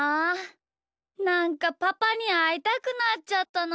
なんかパパにあいたくなっちゃったな。